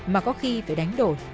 mà có khi phải đánh đổi